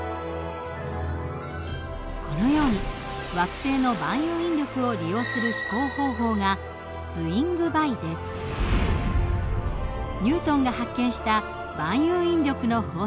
このように惑星の万有引力を利用する飛行方法がニュートンが発見した万有引力の法則。